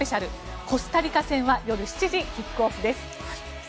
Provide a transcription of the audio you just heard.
コスタリカ戦は夜７時、キックオフです。